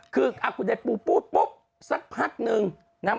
ครึ่งวางที่เพื้น